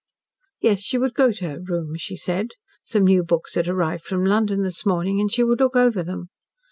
Yes, she would go to her room, she said. Some new books had arrived from London this morning, and she would look over them.